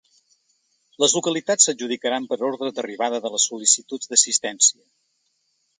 Les localitats s’adjudicaran per ordre d’arribada de les sol·licituds d’assistència.